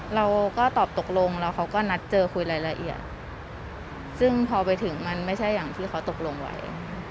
เราก็ตอบตกลงแล้วเขาก็นัดเจอคุยรายละเอียดซึ่งพอไปถึงมันไม่ใช่อย่างที่เขาตกลงไว้